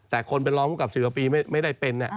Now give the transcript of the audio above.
แต่คนเป็นรองคู่กับ๔ปีไม่ได้เป็น